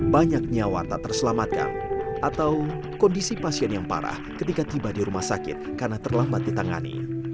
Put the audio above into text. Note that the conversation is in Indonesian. banyak nyawa tak terselamatkan atau kondisi pasien yang parah ketika tiba di rumah sakit karena terlambat ditangani